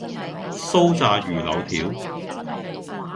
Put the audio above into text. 酥炸魚柳條